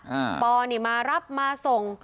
ปออะปอโน้นเนี่ยมารับมาส่ง